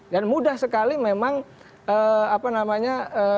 dan mudah sekali memang apa namanya